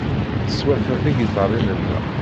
Neswata tigiṭarin-nneɣ.